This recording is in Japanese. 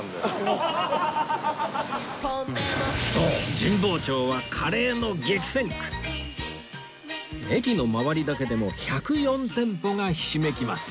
そう神保町は駅の周りだけでも１０４店舗がひしめきます